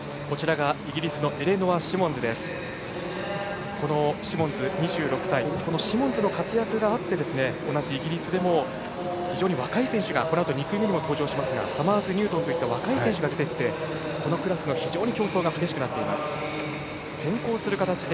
イギリスのエレノア・シモンズこのシモンズ２６歳の活躍があって同じイギリスでも非常に若い選手がこのあと２組目にも登場しますがサマーズニュートンそういう選手もいてこのクラスの競争が非常に激しくなっています。